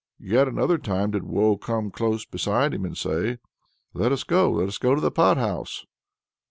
Yet another time did Woe come close beside him and say: "Let us go, let us go to the pot house!"